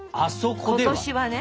今年はね。